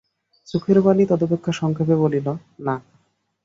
চোখের বালি তদপেক্ষা সংক্ষেপে বলিল, না।